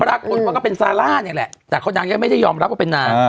ปรากฏว่าก็เป็นซาร่าเนี่ยแหละแต่เขานางยังไม่ได้ยอมรับว่าเป็นนาง